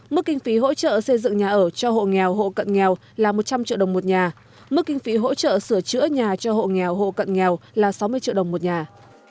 mức kinh phí hỗ trợ xây dựng nhà ở cho hộ nghèo hộ cận nghèo là một trăm linh triệu đồng một nhà mức kinh phí hỗ trợ sửa chữa nhà cho hộ nghèo hộ cận nghèo là sáu mươi triệu đồng một nhà